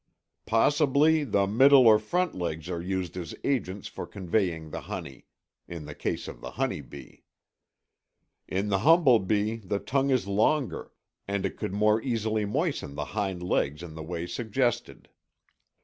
"Possibly the middle or front legs are used as agents for conveying the honey" (in the case of the honey bee). "In the humblebee the tongue is longer, and it could more easily moisten the hind legs in the way suggested."